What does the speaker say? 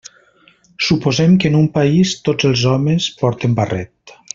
Suposem que en un país tots els homes porten barret.